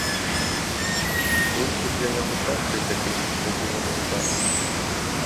Був це для нього перший такий несподіваний удар.